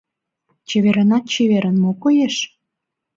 Чеверынат-чеверын мо коеш?